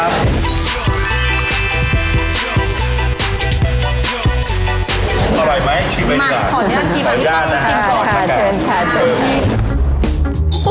ขออนุญาตชิมอันนี้ค่ะชิมก่อน